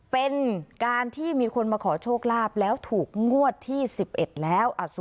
เป็นการที่มีคนมาขอโชคลาภแล้วถูกงวดที่๑๑แล้ว